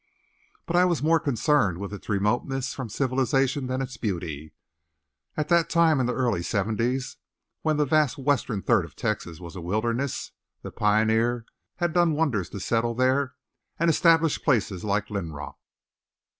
But I was more concerned with its remoteness from civilization than its beauty. At that time in the early 'seventies, when the vast western third of Texas was a wilderness, the pioneer had done wonders to settle there and establish places like Linrock.